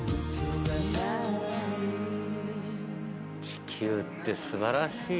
地球って素晴らしい。